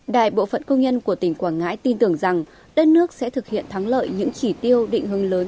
đại bộ phận công nhân của tỉnh quảng ngãi tin tưởng rằng đất nước sẽ thực hiện thắng lợi những chỉ tiêu định hướng lớn